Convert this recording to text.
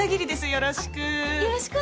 よろしく。